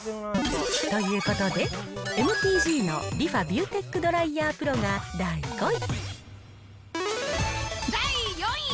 ということで、ＭＴＧのリファビューテックドライヤープロが第５位。